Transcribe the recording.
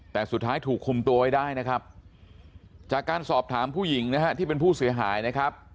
แต่สุดท้ายถูกคุมตัวไว้ได้นะครับจากการสอบถามผู้หญิงนะฮะที่เป็นผู้เสียหายนะครับ